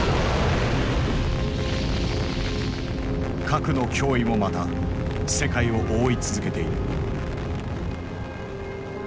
核の脅威もまた世界を覆い続けている。